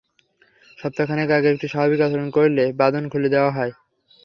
সপ্তাহ খানেক আগে একটু স্বাভাবিক আচরণ করলে বাঁধন খুলে দেওয়া হয়।